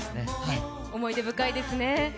思い出深いですね。